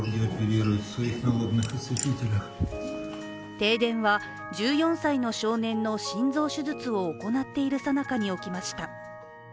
停電は１４歳の少年の心臓手術を行っているさなかに起きました。